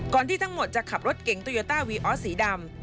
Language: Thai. ที่ทั้งหมดจะขับรถเก๋งโตโยต้าวีออสสีดำ